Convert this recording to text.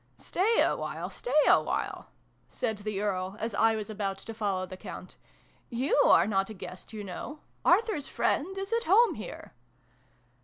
" Stay awhile, stay awhile !" said the Earl, as I was about to follow the Count. " You are not a guest, you know ! Arthur's friend is at home here